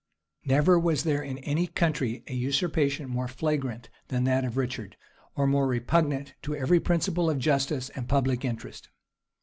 Never was there in any country a usurpation more flagrant than that of Richard, or more repugnant to every principle of justice and public interest.